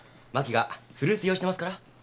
真紀がフルーツ用意してますから。